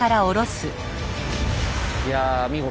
いや見事。